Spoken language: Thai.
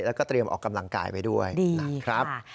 แล้วก็เตรียมออกกำลังกายไปด้วยนะครับ